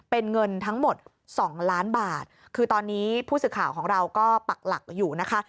เป็นเงินทั้งหมดสองล้านบาทคือตอนนี้ผู้สื่อข่าวของเราก็ปักหลักอยู่นะคะ